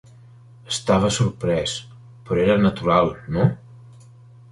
Estava sorprès, però era natural, no?